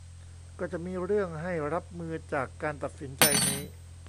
ก็จะมีเรื่องให้รับมือจากการตัดสินใจนี้